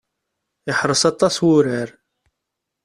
Iḥreṣ aṭas wurar.